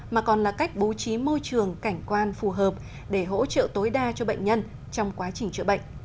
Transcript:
mà còn là cách bố trí môi trường cảnh quan phù hợp để hỗ trợ tối đa cho bệnh nhân trong quá trình chữa bệnh